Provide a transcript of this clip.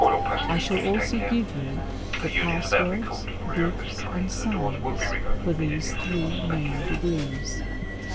I shall also give you the passwords, grips, and signs for these three main degrees.